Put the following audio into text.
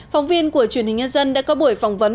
phóng viên của truyền hình nhân dân đã có buổi phỏng vấn